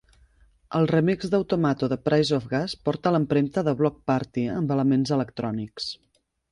El remix d'Automato de "Price of Gas" porta l'empremta de Bloc Party amb elements electrònics.